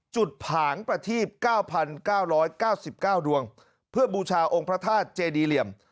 ผางประทีบ๙๙๙๙ดวงเพื่อบูชาองค์พระธาตุเจดีเหลี่ยม